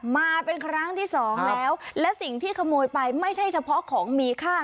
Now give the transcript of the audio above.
มาเป็นครั้งที่สองแล้วและสิ่งที่ขโมยไปไม่ใช่เฉพาะของมีค่า